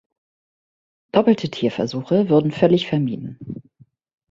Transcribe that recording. Doppelte Tierversuche würden völlig vermieden.